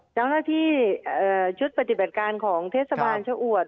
เจ้าหน้าที่ชุดปฏิบัติการของเทศบาลชะอวด